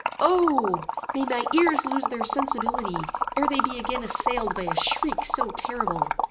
O! may my ears lose their sensibility, ere they be again assailed by a shriek so terrible!